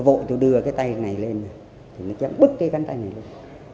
vội tôi đưa cái tay này lên bắt cái cánh tay này lên